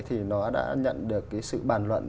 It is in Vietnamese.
thì nó đã nhận được cái sự bàn luận